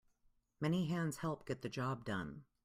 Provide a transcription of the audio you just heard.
Many hands help get the job done.